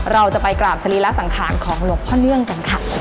เราจะไปกราบสรีระสังขารของหลวงพ่อเนื่องกันค่ะ